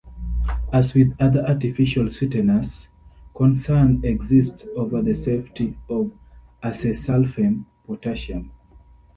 As with other artificial sweeteners, concern exists over the safety of acesulfame potassium.